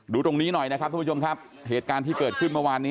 ตรงนี้หน่อยนะครับทุกผู้ชมครับเหตุการณ์ที่เกิดขึ้นเมื่อวานนี้